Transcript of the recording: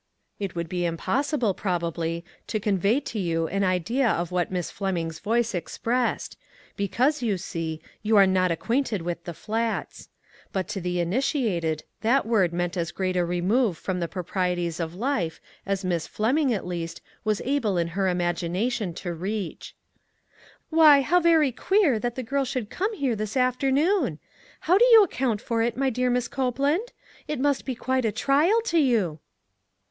It would be impossible, probably, to con vey to you an idea of what Miss Fleming's voice expressed, because, you see, you are not acquainted with the Flats ; but to thr 82 ONE COMMONPLACE DAY. initiated that word meant as great a remove from the proprieties of life as Miss Fleming, at least, was able in her imagination to reach. " Why, how very queer that the girl should come here this afternoon ! How do you account for it, my dear Miss Copeland? It must be quite a trial to you."